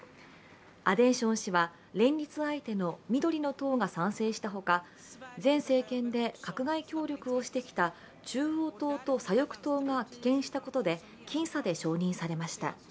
アンデション氏は連立相手の緑の党が賛成したほか前政権で閣外協力をしてきた中央党と左翼党が棄権したことで僅差で承認されました。